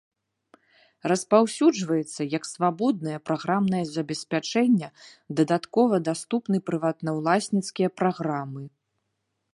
Распаўсюджваецца як свабоднае праграмнае забеспячэнне, дадаткова даступны прыватнаўласніцкія праграмы.